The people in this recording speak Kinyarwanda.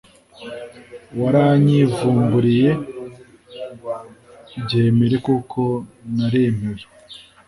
waranyivumburiye byemere kuko Naremewe